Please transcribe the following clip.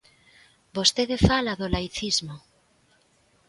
Vostede fala do laicismo.